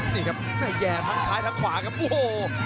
นี่ครับแม่แย่ทั้งซ้ายทั้งขวาครับโอ้โห